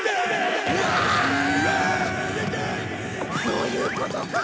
そういうことか。